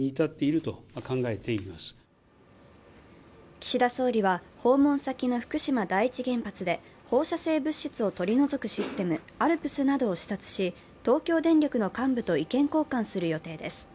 岸田総理は、訪問先の福島第一原発で放射性物質を取り除くシステムＡＬＰＳなどを視察し東京電力の幹部と意見交換する予定です。